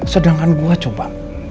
sedangkan gue coba